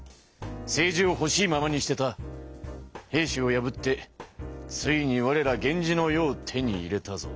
政治をほしいままにしてた平氏を破ってついにわれら源氏の世を手に入れたぞ。